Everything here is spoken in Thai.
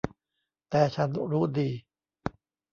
แต่ฉันรู้ดี